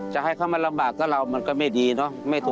จะให้เขามาลำบากก็เรามันก็ไม่ดีเนาะ